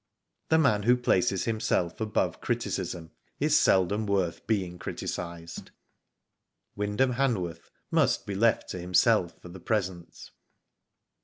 The man who places himself above criticism is seldom worth being criticised. Wyndham Hanworth must be left to himself for the present.